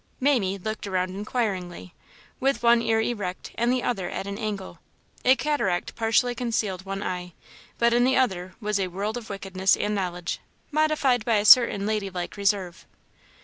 "Mamie" looked around inquiringly, with one ear erect and the other at an angle. A cataract partially concealed one eye, but in the other was a world of wickedness and knowledge, modified by a certain lady like reserve.